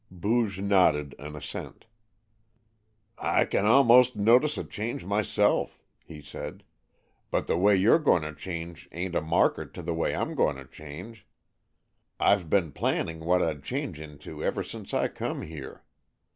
Booge nodded an assent. "I can almost notice a change myself," he said, "but the way you 're going to change ain't a marker to the way I'm goin' to change. I've been planning what I'd change into ever since I come here.